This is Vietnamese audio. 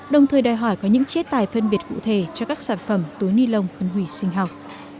đồng thời đòi hỏi có những chế tài phân biệt cụ thể cho các sản phẩm túi ni lông phân hủy sinh học